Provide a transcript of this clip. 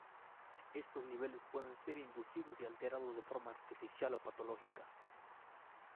Estos niveles pueden ser inducidos y alterados de forma artificial o patológica.